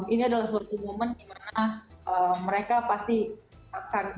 ini adalah suatu momen di mana mereka pasti akan